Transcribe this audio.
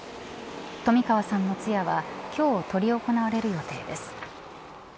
冨川さんの通夜は今日、執り行なわれる予定です。